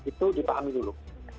itu dipahami dulu